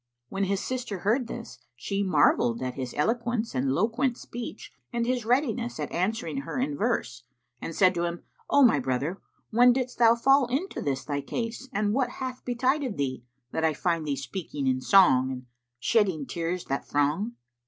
When his sister heard this, she marvelled at his eloquence and loquent speech and his readiness at answering her in verse and said to him, "O my brother, when didst thou fall into this thy case and what hath betided thee, that I find thee speaking in song and shedding tears that throng?